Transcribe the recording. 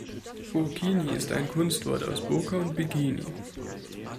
Burkini ist ein Kunstwort aus Burka und Bikini.